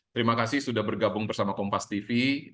terima kasih sudah bergabung bersama kompastv